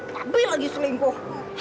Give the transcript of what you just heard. papi lagi selingkuh